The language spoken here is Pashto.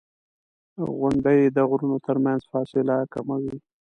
• غونډۍ د غرونو ترمنځ فاصله کموي.